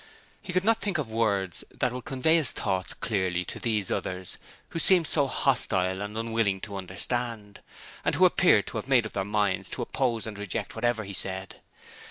He could not think of words that would convey his thoughts clearly to these others who seemed so hostile and unwilling to understand, and who appeared to have made up their minds to oppose and reject whatever he said.